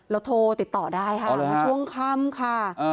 โทรติดต่อได้ค่ะมาช่วงค่ำค่ะ